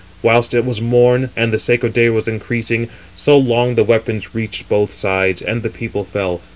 Whilst it was morn, and the sacred day was increasing, so long the weapons reached both sides, and the people fell.